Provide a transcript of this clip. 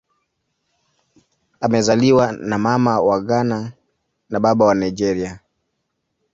Amezaliwa na Mama wa Ghana na Baba wa Nigeria.